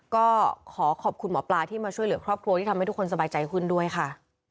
ก็ขอขอบคุณหมอปลาที่มาช่วยเหลือครอบครัวที่ทำให้ทุกคนสบายใจขึ้นด้วยค่ะ